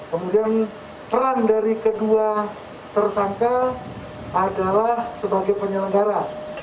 kemudian peran dari kedua tersangka adalah sebagai penyelenggara